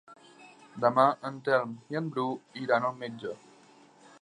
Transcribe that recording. Demà en Telm i en Bru iran al metge.